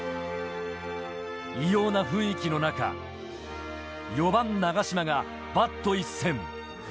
異様な雰囲気の中、４番・長嶋がバット一閃。